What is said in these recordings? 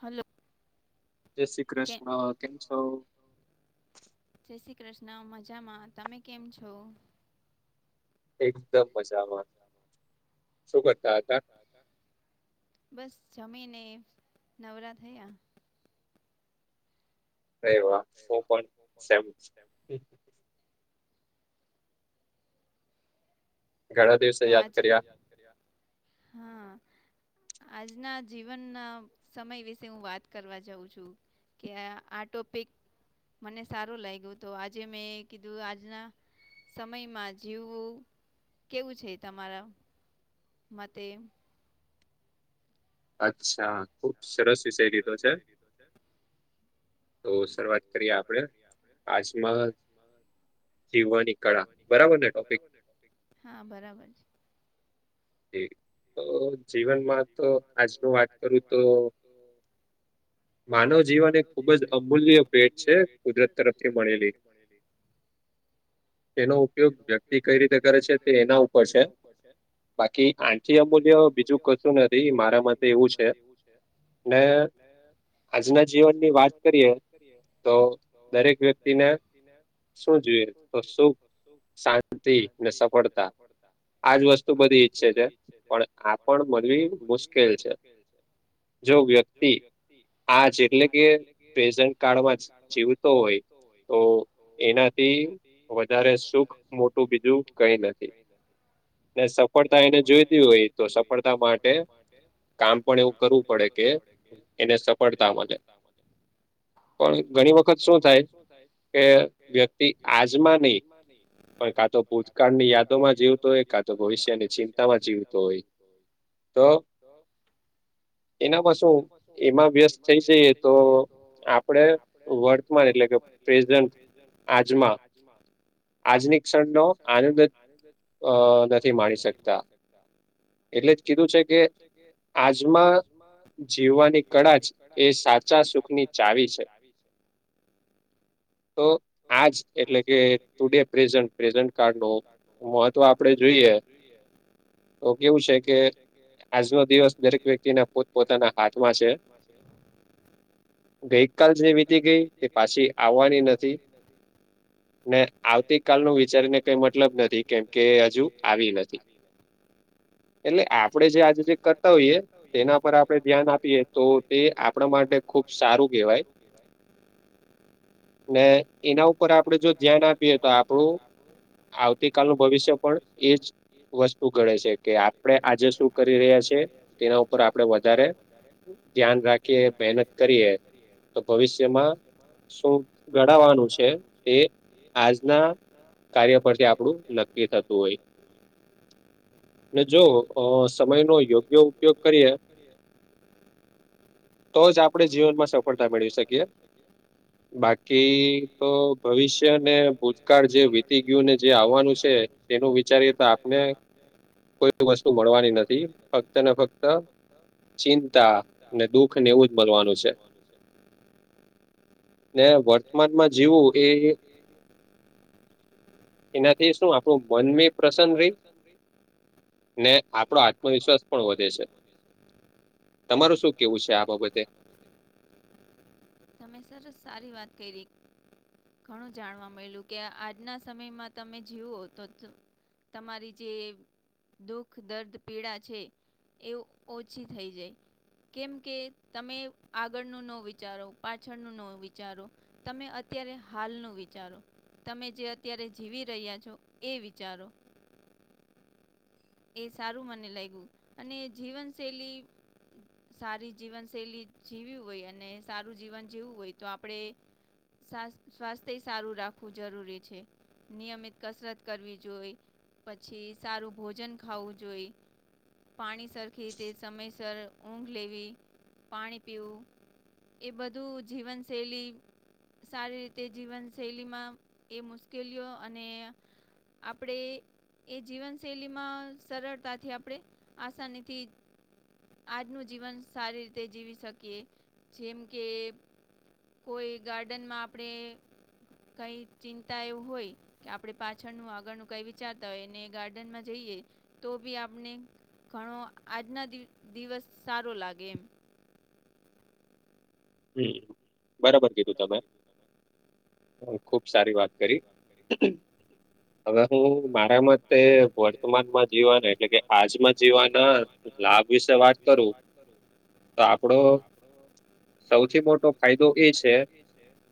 Hello. જય શ્રી કૃષ્ણ કેમ છો? જય શ્રી કૃષ્ણ મજામાં તમે કેમ છો? એકદમ મજામાં શું કરતા હતા? બસ જમીને નવરા થયા. એ વા ફોર પોઈન્ટ સેવ, તો આજે, હા. આજના જીવનના સમય વિશે હું વાત કરવા જાઉં છું. કે આ ટોપિક, મને સારું લાગ્યું તો આજે મેં કીધું આજના, સમયમાં જીવવું, કેવું છે? તમારા મતે. અચ્છા ખુબ સરસ વિષય લીધો છે તો, શરુઆત કરીએ આપણે, આજમાં જીવવાની, જીવવાની કળા બરાબર ને, હા બરાબર છે. તો જીવનમાં તો આજનું વાત કરું તો, માનવ જીવન એ ખુબ જ અમૂલ્ય ભેટ છે. કુદરત તરફથી મળેલી, લી. તેનો ઉપયોગ વ્યક્તિ કઈ રીતે કરે છે, તે એના ઉપર છે. બાકી આનથી અમૂલ્ય બીજું કશું નથી. મારા મતે એવું છે. એ, આજના જીવનની વાત કરીએ તો દરેક વ્યક્તિને, તિ ને, શું જોઈએ તો સુખ શાંતિ ને સફળતા આજ વસ્તુ આજ વસ્તુ બધી ઈચ્છે છે પણ આ પણ મળવી મુશ્કેલ છે. જો વ્યક્તિ, આજ એટલે કે પ્રેઝન્ટ કાળમાં જીવતો હોય તો, એનાથી વધારે સુખ મોટું બીજું કઈ નથી. ને સફળતા એને જોઈતી ઓય તો સફળતા માટે એમ, કામ પણ એવું કરવું પડે કે એને સફળતા મલે. પણ ઘણી વખત શું થાય કે વ્યક્તિ આજમાં નઈ માં નઈ પણ કાતો ભૂતકાળની યાદોમાં જી જીવતો ઓય કાતો ભવિષ્યની ચિંતામાં જીવતો ઓય, તો, એનામાં શું એમાં વ્યસ્ત થઈ જઈએ તો આપડે વળ વર્તમાન એટલે કે પ્રેઝન્ટ આજમાં. આજની ક્ષણનો આનંદ જ આનંદ જ, અ નથી માણી શકતા એટલે જ કીધું છે કે, આજમાં જીવવાની કળા ચ એ સાચા સુખની ચાવી છે. [inaudible] તો આજ એટલે કે કે ટુ ડેેે પેઝન્ટ, પ્રેઝન્ટ પાર્ટનો મહત્વ આપડે જોઈએ, તો કેવું છે કે આજનો દિવસ દરેક વ્યક્તિના પોત પોતાના હાથમાં છે. કે, ગઈ કાલ જે વીતી ગઈ તે પાછી આવાની નથી. તભી ને આવતી કાલનું વિચારીને કઈ મતલબ નથી કેમકે એ અજુ આવી નથી. એટલે આપણે જે આજ કરતા ઓઈએ એના પર આપડે ધ્યાન આપીએ તો તે આપ ડા માટે ખૂબ સારું કેવાય. ને એના ઉપર આપડે જો ધ્યાન આપીએ તો આપળું, આવતી કાલનું ભવિષ્ય પણ એ જ વસ્તુ ઘડે છે કે આપણે આજે શું કરી રહ્યા છે. તેના ઉપર આપડે વધારે ધ્યાન રાખીએ મેહનત કરીએ. તો ભવિષ્યમાં શું ઘડાવાનું છે, તે આજ ના કાર્ય પરથી આપડું નક્કી થતું ઓય. ને જો અ સમયનો યોગ્ય ઉપયોગ કરીએ. કરીએ [unintelligible] તો જ આપડે જીવનમાં સફળતા મેળવી શકીએ. બાકી તો ભવિષ્યને ભૂતકાળ જે વીતી ગીયું ને જે આવવાનું છે. એનું વિચારીએ તો આપને હુમ્મ, કોઈ વસ્તુ મળવાની નથી, ફક્ત ને ફક્ત ચિંતા ને દુખ એવું જ મલવાનું છે. ને વર્તમાનમાં જીવવું એ એનાથી શું આપ થી શું આપડું મન બી પ્રસન્ન રેય ને આપડો આત્મવિશ્વાસ પણ વધે છે. તમારુ શું કેવું છે? આ બાબતે? તમે સરસ, સારી વાત કયરી. ઘણું જાણવા મયલું કે આજના સમયમાં તમે જીવવો તો ચ તમારી જે દુઃખ, દર્દ, પીડા છે એવું ઓછી થઈ જાય. કેમ કે તમે આગળનું નો વિચારો, પાછળનું નો વિચારો તમે અત્યારે હાલનું વિચારો. તમે જે અત્યારે જીવી રહ્યાં છો એ વિચારો. એ સારું મને લાયગુ અને જીવનશૈલી સારી જીવનશૈલી જીવવી હોય અને સારું જીવન જીવવું હોય તો આપડે સાસ સ્વાસ્થ્યયે સારું રાખવું જરૂરી છે. નિયમિત કસરત કરવી જોઈ, પછી સારું ભોજન ખાવું જોઈ પાણી સરખી રીતે સમયસર ઊંઘ લેવી, પાણી પીવું એ બધું જીવનશૈલી સારી રીતે જીવનશૈલીમાં એ મુશ્કેલીઓ અને આપડે એ જીવનશૈલીમાં જ સરળતાથી આપણે આસાનીથી આજનું જીવન સારી રીતે જીવી શકીએ જેમ કે કોઈ ગાર્ડનમાં આપડે કઈ ચિંતા એવું હોય કે આપડે પાછળનું આગળનું કઈ વિચારતા હોય અને ગાર્ડનમાં જઈએ તો ભી આપને ઘણો આજના દિવ દિવસ સારો લાગે એમ. હમ, બરાબર કીધું તમે. ખુબ સારી વાત કરી. [inaudible] હવે હું મારા મતે વર્તમાનમાં જીવાના એટલે કે આજમાં જીવાના ના લાભ વિશે વાત કરુ તો આપડો સૌથી મોટો ફાયદો એ સે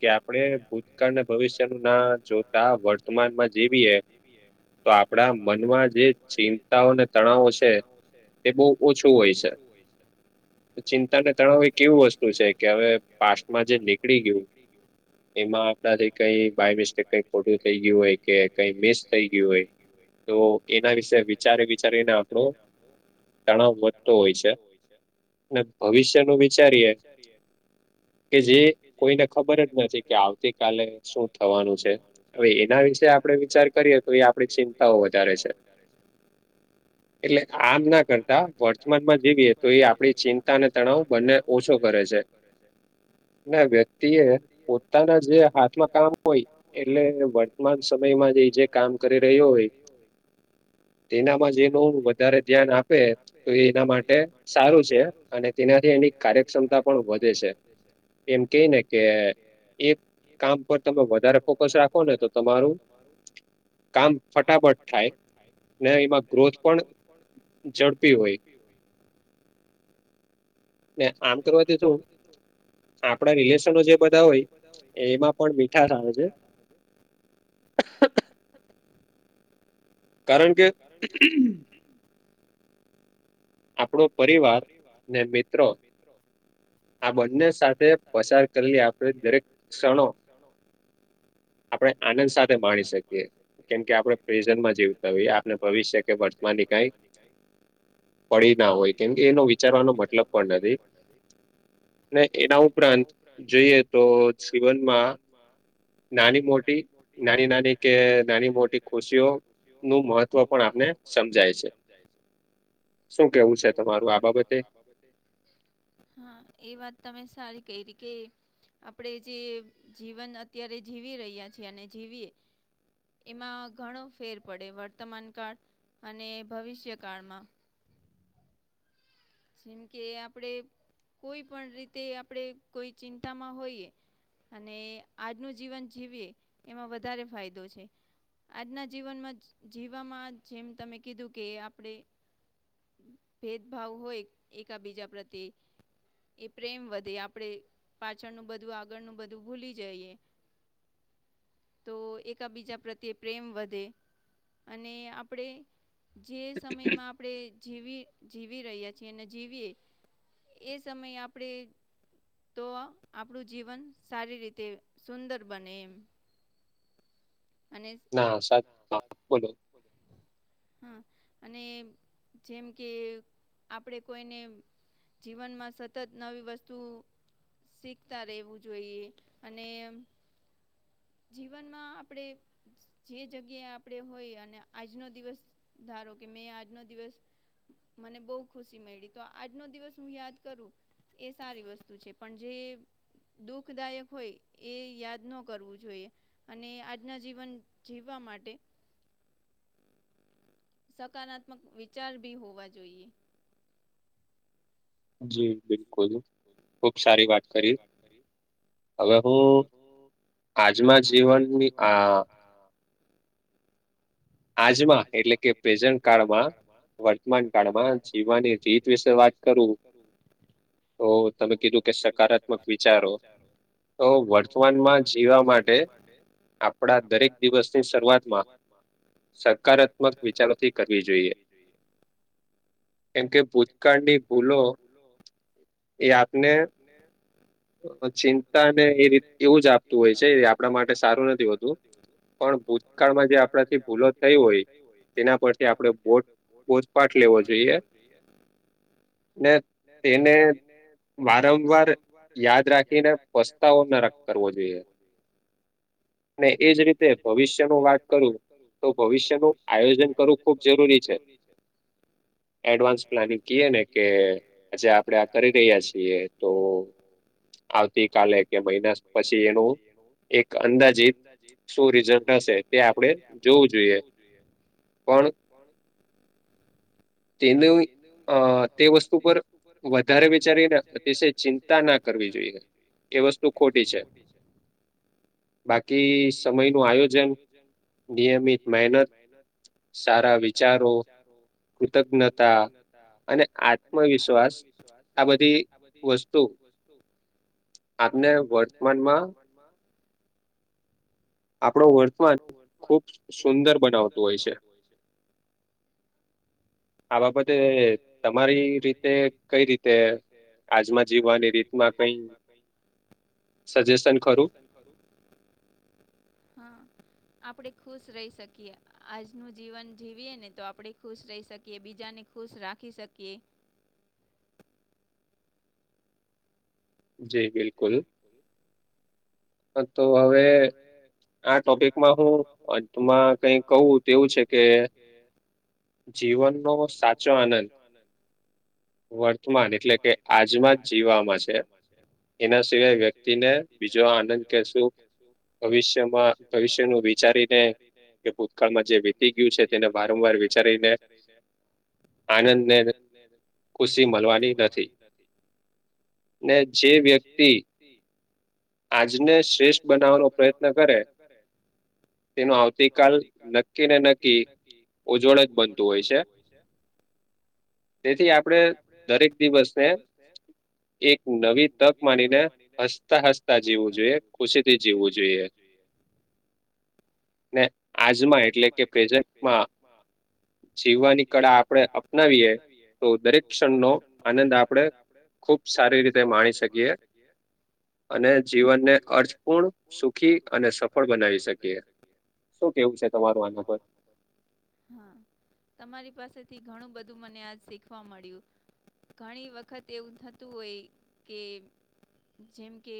કે આપણે ભૂતકાળના ભવિષ્યનું ના જોતા વર્તમાનમાં જે બી [unintelligible] જીવીએ તો આપણા મનમાં જે ચિંતાઓ ને તણાવો છ [inaudible] એ બહુ ઓછું હોય છે. ચિંતા ને તણાવ કેવું વસ્તુ છે કે હવે પાસ્ટમાં જે નીકળી ગ્યું એમાં આપણાથી કઈ બાય મિસ્ટેક કઈ ખોટું થઈ ગયું હોય કે કઈ મિસ થઈ ગયું હોય તો એના વિશે વિચારી વિચારીને આપણો તણાવ વધતો હોય છે અને ભવિષ્યનુ વિચારીએ [inaudible] કે જે કોઈને ખબર જ નથી કે આવતી કાલે શું થવાનું છે. અવે એના વિશે આ આપડે વિચાર કરીએ તો એ આપણી ચિંતાઓ વધારે છે. એટલે આમ ના કરતા વર્તમાનમાં જીવીએ તો એ આપડી ચિંતા અને તણાવ બંને ઓછો ને ઓછો કરે છે. ને વ્યક્તિ એ પોતાના જે હાથમા કામ હોય એટલે વર્ત માન સમયમાં જે જે કામ કરી રહ્યો હોય જેનામાં જે બહુ જ વધારે ધ્યાન આપે તો એના માટે સારું છે [inaudible] તેનાથીયે ઠીક કાર્યક્ષમતા પણ વધે છે કેમ કે [inaudible] એક કામ કરતા તો વધારે ફોકસ રાખો ને તો તમારું કામ ફટાફટ થાય ને એમાં ગ્રોથ પણ ઝડપી હોય. નેઆમ જોવા જય તો આપડા રિલેશનો જે બધા હોય એમા પણ મીઠાશ આવે છે. કારણ કે આપડો પરિવાર ને મિત્રો આ બંને સાથે પસાર કરેલી આપડે દરેક ક્ષણો [inaudible] આપણે આનંદ સાથે માણી શકીએ કેમકે આપણે પ્રેસન્ટમાં જીવતા હોઈએ આ ભવિષ્ય કે વર્તમાન દેખાય કઈ પડી ના હોય એ એનો વિચારવાનો મતલબ પણ નથી. ને એના ઉપરાંત જોઈએ તો જીવનમાં માં નાની મોટી, નાની નાની કે નાની મોટી ખુશીઓનુ મહત્ ત્વ પણ આપને સમજાય છે. જાય છે. શું કેવું છે? શું કહેવું છે તમારૂ આ બાબતે? હા એ વાત તમે સારી કયરી કે આપણે જે જીવન અત્યારે જીવી રહ્યા છીએ અને જીવીએ એમાં ઘણો ફેર પડે વર્તમાનકાળ અને ભવિષ્યકાળમાં. જેમ કે આપડે કોઈ પણ રીતે આપડે કોઈ ચિંતામાં હોઈએ અને આજનું જીવન જીવીએ એમાં વધારે ફાયદો છે. આજના જીવનમાં જી જીવામાં જેમ તમે કીધું કે આપડે ભેદભાવ હોય એકાબીજા પ્રત્યે એ પ્રેમ વધે આપડે પાછળનું બધું આગળનું બધું ભૂલી જઈએ. તો એકાબીજા પ્રત્યે પ્રેમ વધે. અને આપણેે જે સમયમાં આપણે જીવી જીવી રહ્યા જેને જીવીએ એ સમયે આપણે તો આપણું જીવન સારી રીતે સુંદર બને એમ. અને હા, સારુ. [inaudible] હા, અને જેમ કે આપણે કોઈને જીવનમાં સતત નવી વસ્તુ શીખતા રહેવું જોઈએ અને જીવનમાં આપડેગ જે જગ્યાએ આપણેે હોય અને આજનો દિવસ ધારો કે મેં આજનો દિવસ મને બહુ ખુશી મયળી તો આજનો દિવસ હું યાદ કરું. એ સારી વસ્તુ છે પણ જે દુખદાયક હોય એ યાદ ન કરવું જો જોઈએ અને આજના જીવન જીવવા માટે સકારાત્મક વિચાર ભી હોવા જોઈએ. જી બિલકુલ, ખુબ સારી વાત કરી. હવે હું આજમાં જીવનની આ આજમાં એટલે કે પ્રેઝન્ટ કાળમાં, વર્તમાન કાળમાં જીવાની રીત વિશે વાત કરુ [inaudible] તો તમે કીધું કે સકારાત્મક વિચારો તો વર્તમાનમાં જીવા માટે આપણા દરેક દિવસની શરૂઆતમાં મા સકારાત્મક વિચારોથી કરવી જોઈએ. કેમ કે ભૂતકાળની ભૂલો એ આપને પ ચિંતા ને એ રીત એવું જ આપતું હોય સે એ આપણા માટે સારું નથી હોતું. પણ ભૂતકાળમાં જે આપડાથી ભૂલો થઈ હોય તેના પરથી આપણેે બોધ બોધપાઠ લેવો જોઈએ. ને ને તેને વારંવાર યાદ રાખીને પસ્તાવો ન રક કરવો જોઈએ. [inaudible] ને એજ રીતે ભવિષ્યનો વાત કરું કરું તો ભવિષ્યનું આયોજન કરવું ખૂબ જરૂરી છે. એડવાન્સ પ્લાનિંગ કીએ ને કે આજે આપણે આ કરી રહ્યા છીએ તો આવતી કાલે કે મહિના પ પછી એનું એક અંદાજીત શું રિઝલ્ટ હશે? તે આપડે આપડે જોવું જોઈએ પણ તેનું અ તે વસ્તુ પર વધારે વિચારીને તે સે ચિંતા ના કરવી જોઈએ, એ વસ્તુ ખોટી છે. બાકી સમયનું આયોજન [inaudible] નિયમિત મહેનત, સારા વિચારો કૃતજ્ઞતા અને આત્મવિશ્વાસ આ બધી વસ્તુ વસ્તુ આપને વર્તમાનમાં માં આપણો વર્તમાન ખૂબ સુ સુંદર બનાવતું હોય છે. [inaudible] આ બાબતે તમારી રીતે કઈ રીતે આજમાં જીવવાની રીતમાં [unintelligible] સજેશન ખરું? હા. આપડે ખુશ રહી શકીએ આજનું જીવન જીવીએ ને તો આપણે ખુશ રહી શકીએ. કે બીજાને ખુશ રાખી શકીએ. જી બિલકુલ, [inaudible] હ, તો અવે આ ટોપિકમાં હું [unintelligible] માં કઈ કઉું તો એવું છે કે જીવનનો સાચો આનંદ વર્તમાન એટલે કે આજમાં જ જીવામાં છે. એ એના સિવાય વ્યક્તિને બીજો આનંદ [unintelligible] ભવિષ્યમાં ભવિષ્યનું વિચારીને કે ભૂતકાળમાં જે વીતી ગ્યું છે છે તેને વારંવાર વિચારીને [unintelligible] આનંદ ને ખુશી મલવાની નથી. [unintelligible] ને જે વ્યક્તિ આજને શ્રેષ્ઠ બનાવવાનો પ્રયત્ન કરે કરે તેનું આવતી કાલ નક્કી ને નક્કી ઉજ્જવળ જ બનતું હોય છે. [unintelligible] તેથી આપડે દરેક દિવસે એક નવી નવી તક માનીને હસતા-હસતા જીવવું જોઈએ ખુશીથી જીવવું જોઈએ. ને આજમાં એટલે કે પ્રેઝન્ટમાં જીવવાની કળા આપડે અપનાવીએે તો દરેક ક્ષણનો આનંદ આપડે ખૂબ સારી રીતે માણી શક માણી શકીએ. અને જીવનને અર્થપૂર્ણ, સુખી અને સફળ બનાવી શકીએ. શું કેવું છે તમારું આના પર? હા, તમારી પાસેથી ઘણું બધું મને આજ શીખ વા મળ્યું. ઘણી વખત એવું થતું હોય કે જેમ કે